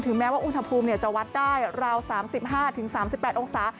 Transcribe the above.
แม้ว่าอุณหภูมิจะวัดได้ราว๓๕๓๘องศา